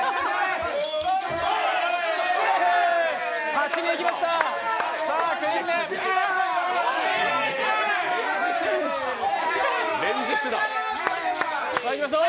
８人いきました。